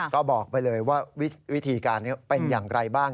ก็บอกไปเลยว่าวิธีการนี้เป็นอย่างไรบ้าง